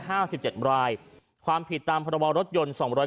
ห้าสิบเจ็ดรายความผิดตามพรบรถยนต์สองร้อย